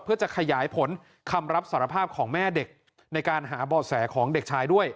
เพื่อจะขยายผลคำรับสารภาพของแม่เด็กในการหาบ่อแสของเด็กชายด้วย